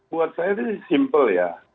buat saya ini simpel ya